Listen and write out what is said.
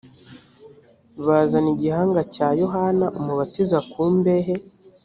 bazana igihanga cya yohana umubatiza ku mbehe